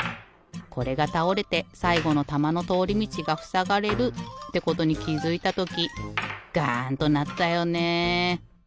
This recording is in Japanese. これがたおれてさいごのたまのとおりみちがふさがれるってことにきづいたときガンとなったよねえ。